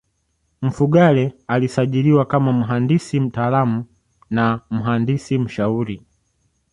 Mfugale alisajiliwa kama mhandisi mtaalamu na mhandisi mshauri